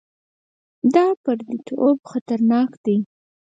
دا پرديتوب خطرناک دی.